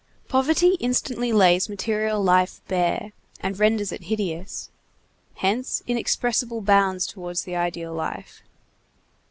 Poverty instantly lays material life bare and renders it hideous; hence inexpressible bounds towards the ideal life.